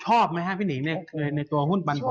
ชอบไหมฮะพี่หนิในตัวหุ้นปันผลตรงนี้